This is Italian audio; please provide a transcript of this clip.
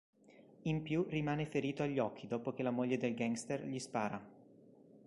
In più rimane ferito agli occhi dopo che la moglie del gangster gli spara.